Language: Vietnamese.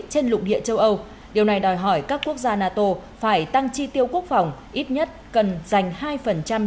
trên lụng địa châu âu điều này đòi hỏi các quốc gia nato phải tăng chi tiêu quốc phòng ít nhất cần dành hai gdp cho hoạt động này